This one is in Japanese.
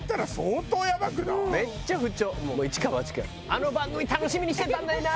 あの番組楽しみにしてたんだよな。